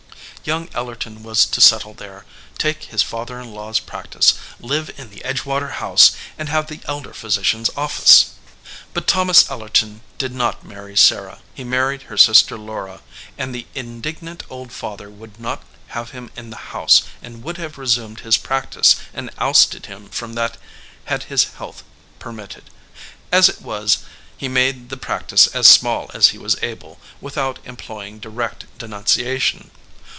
Young Ellerton was to settle there, take 6 SARAH EDGEWATER his father in law s practice, live in the Edgewater house, and have the elder physician s office. But Thomas Ellerton did not marry Sarah. He married her sister Laura, and the indignant old father would not have him in the house and would have resumed his practice and ousted him from that had his health permitted. As it was he made the practice as small as he was able, without employing direct denunciation.